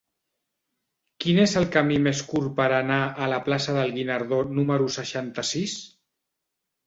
Quin és el camí més curt per anar a la plaça del Guinardó número seixanta-sis?